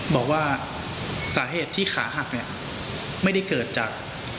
บอกว่าสาเหตุที่ขาหักเนี่ยไม่ได้เกิดจาก